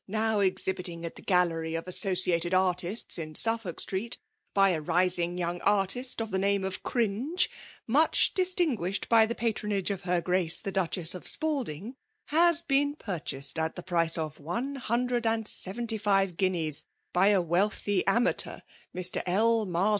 HiU/' now Rihfl>itmg at the gallery c^ aled Artista in Suffolk Street, bjr axiangyoirag artist of the name of Cringe* nusdi diBtra* gnbhed by the patronage of her Omte the Duchess of Spalding, has been pnichaied at the price of one hundred aad seventy fiva guineaa by a wealthy amateur, Mr. li. Mars*